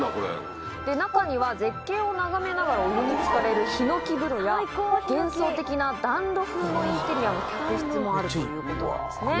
中には絶景を眺めながらお湯につかれる檜風呂や幻想的な暖炉風のインテリアの客室もあるということなんですね。